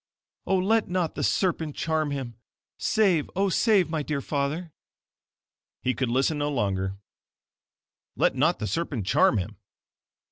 Oh let not the SERPENT CHARM HIM! Save, oh, save my dear father!" He could listen no longer, "_Let not the serpent charm him!